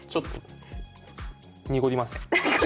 濁りません。